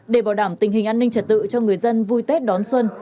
để bảo đảm tình hình an ninh trật tự cho người dân vui tết đón xuân